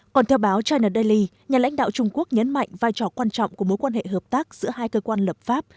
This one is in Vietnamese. còn theo báo china daily nhà lãnh đạo trung quốc nhấn mạnh vai trò quan trọng của mối quan hệ hợp tác giữa hai cơ quan lập pháp